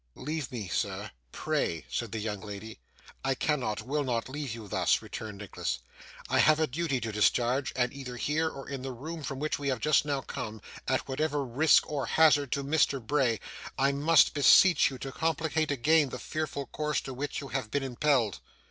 'Leave me, sir, pray,' said the young lady. 'I cannot, will not leave you thus,' returned Nicholas. 'I have a duty to discharge; and, either here, or in the room from which we have just now come, at whatever risk or hazard to Mr. Bray, I must beseech you to contemplate again the fearful course to which you have been impelled.